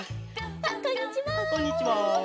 あっこんにちは。